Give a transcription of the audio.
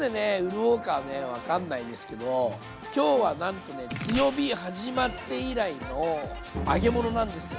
潤うかは分かんないですけど今日はなんとね強火始まって以来の揚げ物なんですよ！